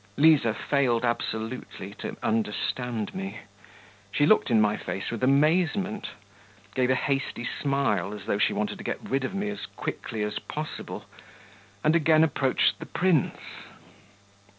Liza failed absolutely to understand me; she looked in my face with amazement, gave a hasty smile, as though she wanted to get rid of me as quickly as possible, and again approached the prince.